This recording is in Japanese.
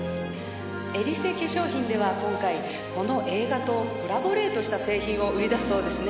エリセ化粧品では今回この映画とコラボレートした製品を売り出すそうですね。